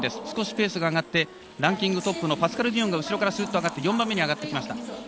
少しペースが上がってランキングトップのパスカル・ディオンが後ろから上がって４番目に上がってきました。